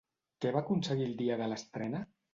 Què va aconseguir el dia de l'estrena?